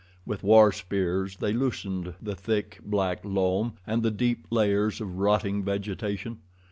With war spears they loosened the thick, black loam and the deep layers of rotting vegetation.